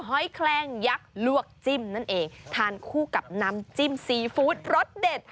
หอยแคลงยักษ์ลวกจิ้มนั่นเองทานคู่กับน้ำจิ้มซีฟู้ดรสเด็ด